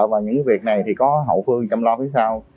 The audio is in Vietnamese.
và những việc này thì có hậu phương chăm lo phía sau